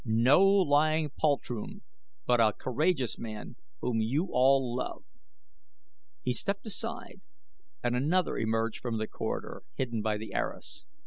No lying poltroon, but a courageous man whom you all love." He stepped aside then and another emerged from the corridor hidden by the arras.